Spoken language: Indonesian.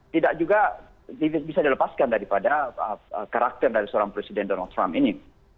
tidak juga bisa dilepaskan daripada karakter dari seorang presiden donald trump ini